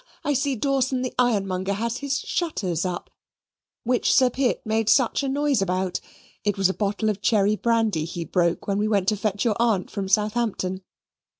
I see Dawson the Ironmonger has his shutters up which Sir Pitt made such a noise about. It was a bottle of cherry brandy he broke which we went to fetch for your aunt from Southampton.